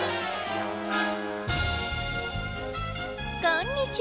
こんにちは。